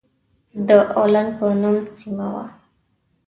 د اولنګ په نوم سيمه وه.